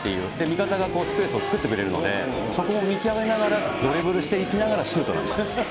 味方がスペースを作ってくれるので、そこを見極めながらドリブルしていきながらシュートなんですね。